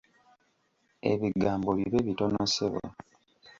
Ebigambo bibe bitono ssebo.